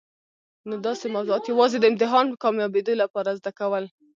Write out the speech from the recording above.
نو داسي موضوعات یوازي د امتحان کامیابېدو لپاره زده کول.